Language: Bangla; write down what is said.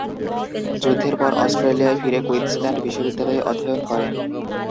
যুদ্ধের পর অস্ট্রেলিয়ায় ফিরে কুইন্সল্যান্ড বিশ্ববিদ্যালয়ে অধ্যয়ন করেন।